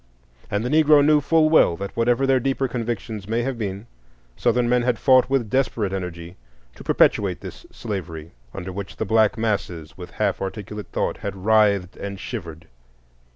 And the Negro knew full well that, whatever their deeper convictions may have been, Southern men had fought with desperate energy to perpetuate this slavery under which the black masses, with half articulate thought, had writhed and shivered.